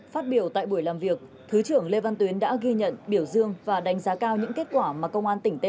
phát biểu tại buổi làm việc thứ trưởng lê văn tuyến đã ghi nhận biểu dương và đánh giá cao những kết quả mà công an tỉnh tây ninh